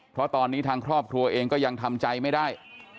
เพราะตอนนี้ทางครอบครัวเองก็ยังทำใจไม่ได้